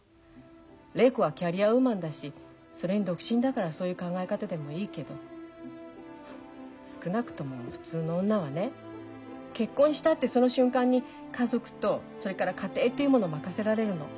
礼子はキャリアウーマンだしそれに独身だからそういう考え方でもいいけど少なくとも普通の女はね結婚したってその瞬間に家族とそれから家庭っていうものを任せられるの。